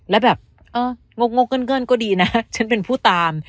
แล้วแบบเอองกเงินก็ดีนะฉันเป็นผู้ตาม